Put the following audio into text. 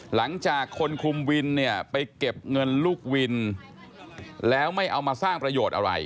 หลังจากคนคุมวินเนี่ยไปเก็บเงินลูกวินแล้วไม่เอามาสร้างประโยชน์อะไร